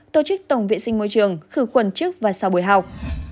tổ chức tổng vệ sinh môi trường khử khuẩn trước và sau buổi học